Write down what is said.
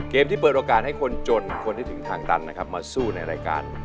ที่เปิดโอกาสให้คนจนคนที่ถึงทางตันนะครับมาสู้ในรายการ